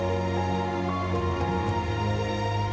ก็ยังมีปัญหาราคาเข้าเปลือกก็ยังลดต่ำลง